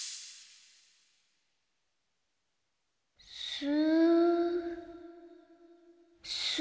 す。